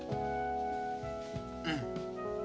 うん。